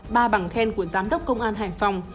ba bằng khen của giám đốc công an hải phòng